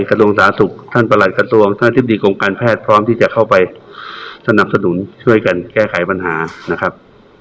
กระทรวงสาธารณสุขท่านประหลัดกระทรวงท่านอธิบดีกรมการแพทย์พร้อมที่จะเข้าไปสนับสนุนช่วยกันแก้ไขปัญหานะครับ